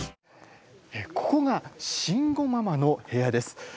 ここが「慎吾ママの部屋」です。